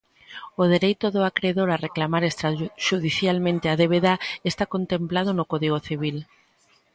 O dereito do acredor a reclamar extraxudicialmente a débeda está contemplado no Código civil.